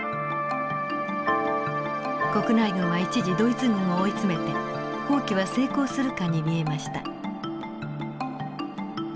国内軍は一時ドイツ軍を追い詰めて蜂起は成功するかに見えました。